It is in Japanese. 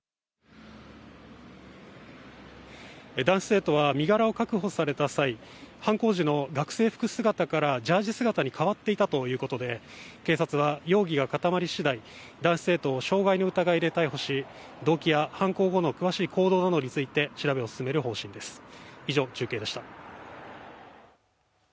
男子生徒は身柄を確保された際、犯行時の学生服姿からジャージー姿に変わっていたということで、警察は容疑が固まり次第、男子生徒を傷害の疑いで逮捕し動機や犯行後の詳しい行動などについて調べを進める方針です。